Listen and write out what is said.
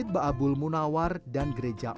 masjid baabul munawar dan gereja oikumene soteria